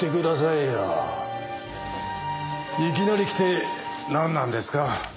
いきなり来てなんなんですか？